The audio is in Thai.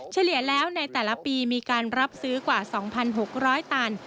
เฉลี่ยแล้วในแต่ละปีมีการรับซื้อกว่า๒๖๐๐ตัน